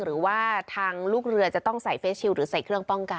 หรือว่าทางลูกเรือจะต้องใส่เฟสชิลหรือใส่เครื่องป้องกัน